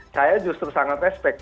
saya justru sangat respect